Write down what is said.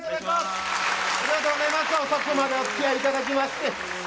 遅くまでおつきあいいただきまして。